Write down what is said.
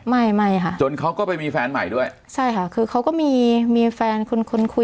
ไม่ไม่ค่ะจนเขาก็ไปมีแฟนใหม่ด้วยใช่ค่ะคือเขาก็มีมีแฟนคุณคนคุย